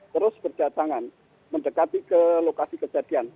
terus berdatangan mendekati ke lokasi kejadian